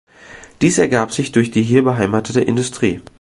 Dies ergab sich durch die hier beheimatete Industrie.